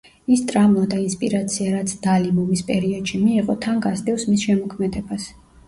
ის ტრამვა და ინსპირაცია, რაც დალიმ ომის პერიოდში მიიღო, თან გასდევს მის შემოქმედებას.